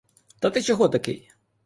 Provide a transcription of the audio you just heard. Та ти чого такий?